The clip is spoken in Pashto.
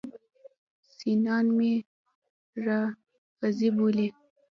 سنیان مې رافضي بولي.